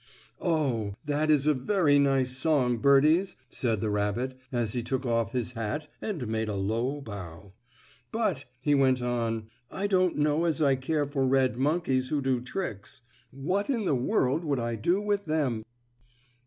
"Oh! that is a very nice song, birdies," said the rabbit, as he took off his hat and made a low bow. "But," he went on, "I don't know as I care for red monkeys who do tricks. What in the world would I do with them?"